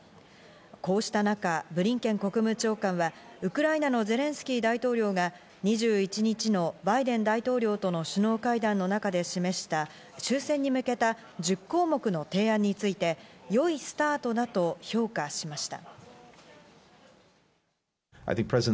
こうした中、ブリンケン国務長官は、ウクライナのゼレンスキー大統領が２１日のバイデン大統領との首脳会談の中で示した、終戦に向けた１０項目の提案について、良いスタートだと評価しました。